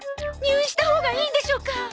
入院したほうがいいんでしょうか？